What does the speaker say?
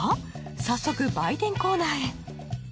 早速売店コーナーへ。